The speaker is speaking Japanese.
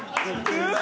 うわ！